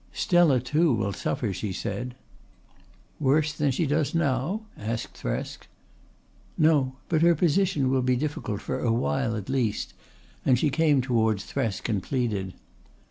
"Stella, too, will suffer," she said. "Worse than she does now?" asked Thresk. "No. But her position will be difficult for awhile at least," and she came towards Thresk and pleaded.